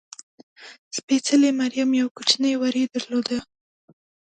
سپېڅلې مریم یو کوچنی وری درلود.